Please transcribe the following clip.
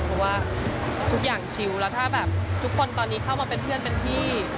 เพราะว่าทุกอย่างชิวแล้วถ้าแบบทุกคนตอนนี้เข้ามาเป็นเพื่อนเป็นพี่